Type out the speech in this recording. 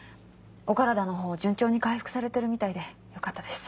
お体の方順調に回復されてるみたいでよかったです。